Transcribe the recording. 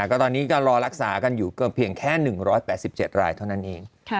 ก็ตอนนี้ก็รอรักษากันอยู่ก็เพียงแค่๑๘๗รายเท่านั้นเอง